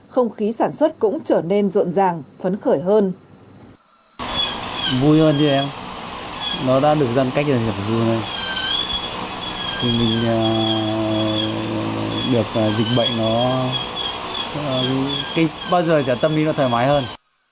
không khí sản xuất cũng trở nên rộn ràng phấn khởi hơn